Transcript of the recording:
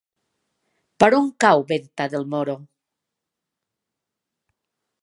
Per on cau Venta del Moro?